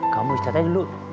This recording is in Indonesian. kamu istirahat aja dulu